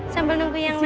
sambil nunggu yang lain